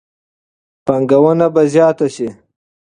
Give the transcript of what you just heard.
پانګونه به زیاته شي.